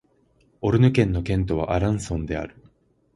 オルヌ県の県都はアランソンである